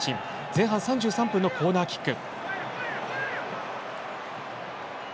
前半３３分のコーナーキック。